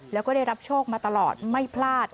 แล้วก็ได้รับโชคมาตลอดไม่พลาด